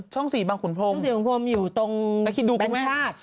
ช่องสีบางขุนพรมช่องสีบางขุนพรมอยู่ตรงแม่ชาติ